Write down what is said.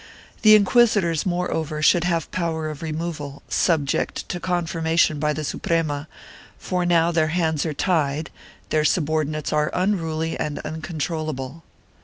The inquisitors moreover should have power of removal, subject to confirmation by the Suprema, for now their hands are tied; their subordinates are unruly and uncontrollable.